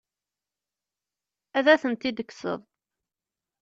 Ad tent-id-tekkseḍ?